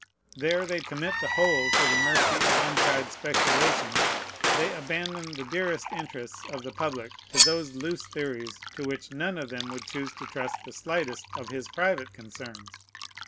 There they commit the whole to the mercy of untried speculations; they abandon the dearest interests of the public to those loose theories to which none of them would choose to trust the slightest of his private concerns.